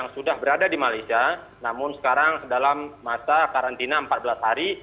sudah berada di malaysia namun sekarang dalam masa karantina empat belas hari